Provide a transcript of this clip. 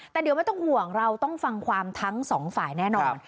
แต่เดี๋ยวไม่ต้องห่วงเราต้องฟังความทั้งสองฝ่ายแน่นอน